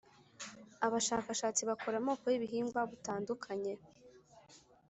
abashakashatsi bakora amoko y ibihingwa butandukanye